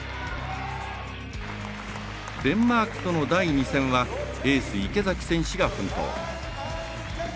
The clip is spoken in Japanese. デンマークとの第２戦はエース池崎選手が奮闘。